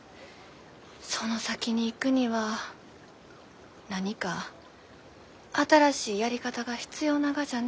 その先に行くには何か新しいやり方が必要ながじゃね。